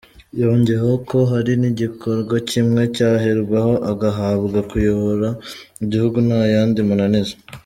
Yongeyeho ko hari nk’igikorwa kimwe cyaherwaho, agahabwa kuyobora igihugu nta yandi mananiza.